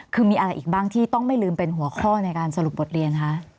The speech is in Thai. คือมีอะไรอีกบ้างที่ต้องไม่ลืมเป็นหัวข้อในการสรุปบทเรียนคะ